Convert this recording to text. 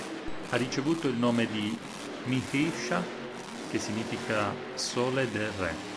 Ha ricevuto il nome di "Mihr-i-Şah", che significa "Sole del re".